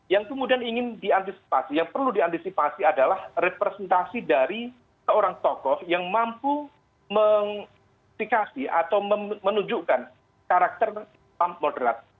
yang kemudian ingin diantisipasi yang perlu diantisipasi adalah representasi dari seorang tokoh yang mampu dikasih atau menunjukkan karakter islam moderat